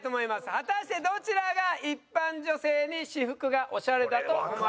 果たしてどちらが一般女性に私服がオシャレだと思われているのか？